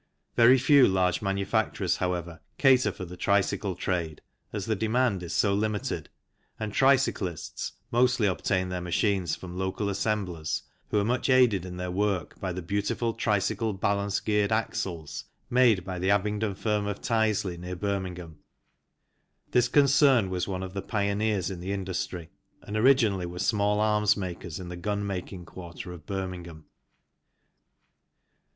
Very few large manufacturers, however, cater for the tricycle trade as the demand is so limited, and tricyclists mostly obtain their machines from local assemblers, who are much aided in their work by the beautiful tricycle balance geared axles made by the Abingdon firm of Tyseley, near Birmingham. This concern was one of the pioneers in the industry and originally were small arms makers in the gun making quarter of Birmingham.